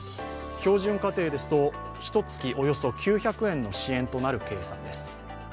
標準家庭ですと、ひとつきおよそ９００円の支援となる計算です